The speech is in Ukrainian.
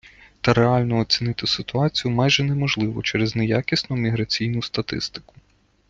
Та реально оцінити ситуацію майже неможливо через неякісну міграційну статистику.